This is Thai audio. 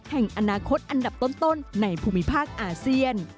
แห่งอนาคตอันดับต้นในภูมิภาคอาเซียน